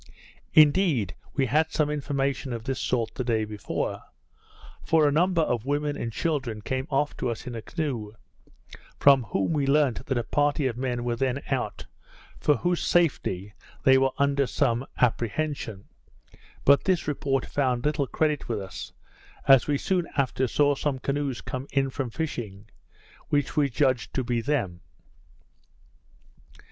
Indeed, we had some information of this sort the day before; for a number of women and children came off to us in a canoe, from whom we learnt that a party of men were then out, for whose safety they were under some apprehension; but this report found little credit with us, as we soon after saw some canoes come in from fishing, which we judged to be them.